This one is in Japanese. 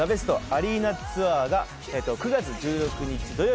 アリーナツアーが９月１６日土曜日